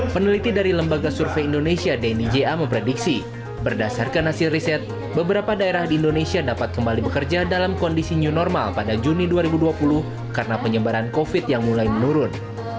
peneliti dari lembaga survei indonesia dni ja memprediksi berdasarkan hasil riset beberapa daerah di indonesia dapat kembali bekerja dalam kondisi new normal pada juni dua ribu dua puluh karena penyebaran covid yang mulai menurun